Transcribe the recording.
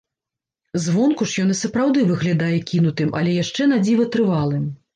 Звонку ж ён і сапраўды выглядае кінутым, але яшчэ надзіва трывалым.